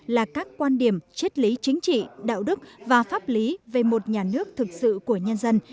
là các quan điểm chất lý chính trị đạo đức và pháp lý về một nhà nước thực sự của nhân dân